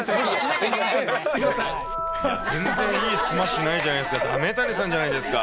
全然いいスマッシュないじゃないですか。